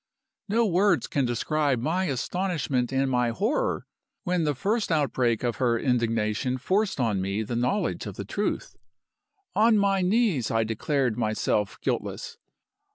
No words can describe my astonishment and my horror when the first outbreak of her indignation forced on me the knowledge of the truth. On my knees I declared myself guiltless.